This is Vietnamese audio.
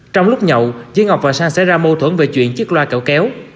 trong lúc nhậu dưới ngọc và sang xảy ra mâu thuẫn về chuyện chiếc loa kẹo kéo